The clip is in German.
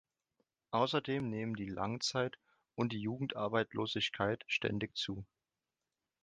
Außerdem nehmen die Langzeit- und die Jugendarbeitslosigkeit ständig zu.